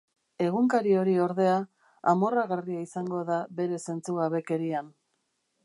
Egunkari hori, ordea, amorragarria izango da bere zentzugabekerian.